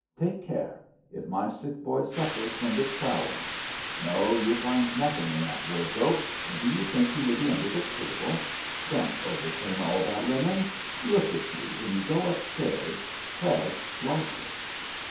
Take care: if my sick boy suffers from this prowling! No, you'll find nothing in that wardrobe. And do you think he would be under the table? Don't overturn all that linen. Look you, when you go upstairs, tread lightly."